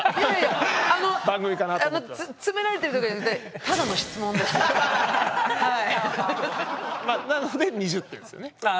詰められてるとかじゃなくてなので２０点ですよね。